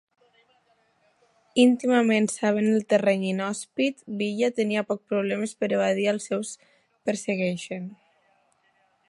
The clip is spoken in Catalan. Íntimament sabent el terreny inhòspit, Villa tenia poc problemes per evadir als seus persegueixen.